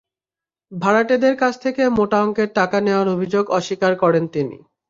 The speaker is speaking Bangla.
ভাড়াটেদের কাছ থেকে মোটা অঙ্কের টাকা নেওয়ার অভিযোগ অস্বীকার করেন তিনি।